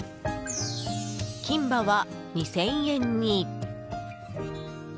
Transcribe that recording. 金歯は２０００円に。